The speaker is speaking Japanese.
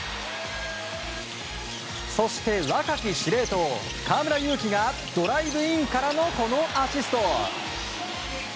そして若き司令塔、河村勇輝がドライブインからのこのアシスト！